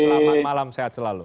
selamat malam sehat selalu